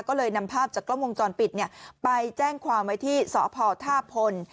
ก็เลยนำภาพจากกล้องวงจรปิดไปแจ้งความไว้ที่สพท่าพล